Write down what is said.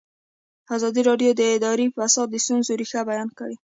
ازادي راډیو د اداري فساد د ستونزو رېښه بیان کړې.